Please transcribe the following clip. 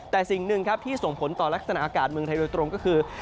แต่สิ่งหนึ่งครับที่ส่งผลต่อลักษณะอากาศเมืองไทยโดยตรงก็คือ